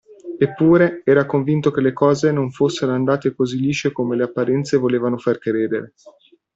Eppure, era convinto che le cose non fossero andate così lisce come le apparenze volevano far credere.